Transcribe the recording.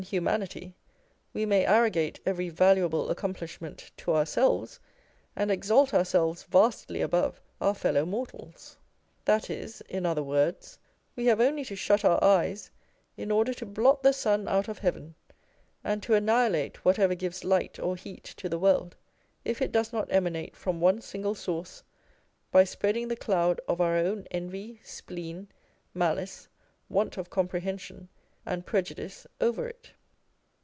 humanity, we may arrogate every valuable accomplish ment to ourselves, and exalt ourselves vastly above our fellow mortals ! That is, in other words, we have only to shut our eyes, in order to blot the sun out of heaven, and to annihilate whatever gives light or heat to the world, if it does not emanate from one single source, by spreading the cloud of our own envy, spleen, malice, want of comprehension, and prejudice over it.